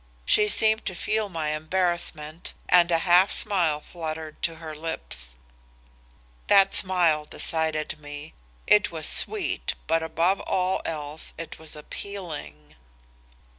She seemed to feel my embarassment and a half smile fluttered to her lips. That smile decided me. It was sweet but above all else it was appealing.